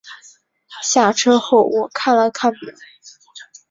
下车后我看了看表